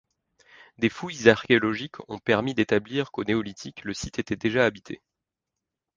Des fouilles archéologiques ont permis d’établir qu’au néolithique le site était déjà habité.